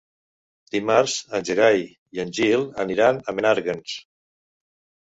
Dimarts en Gerai i en Gil aniran a Menàrguens.